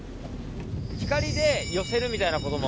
光で寄せるみたいなことも。